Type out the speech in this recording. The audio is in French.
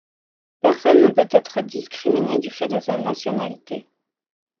Personne ne peut être discriminé du fait de sa nationalité.